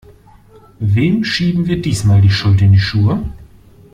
Wem schieben wir diesmal die Schuld in die Schuhe?